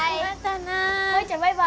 舞ちゃんバイバイ。